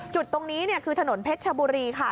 จุดตรงนี้คือถนนเพชรชบุรีค่ะ